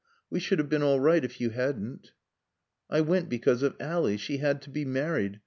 We should have been all right if you hadn't." "I went because of Ally. She had to be married.